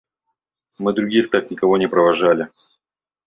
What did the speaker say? Мы других так никого не провожали.